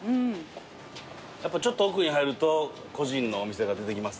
やっぱちょっと奥に入ると個人のお店が出てきますね。